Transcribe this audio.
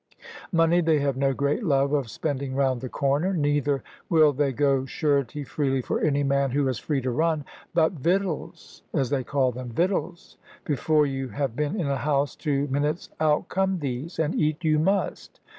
Money they have no great love of spending round the corner, neither will they go surety freely for any man who is free to run; but "vittels," as they call them, "vittels!" before you have been in a house two minutes out come these, and eat you must!